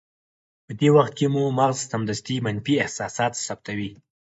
په دې وخت کې مو مغز سمدستي منفي احساسات ثبتوي.